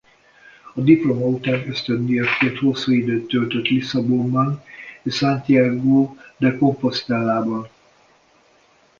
A diploma után ösztöndíjasként hosszú időt töltött Lisszabonban és Santiago de Compostelában.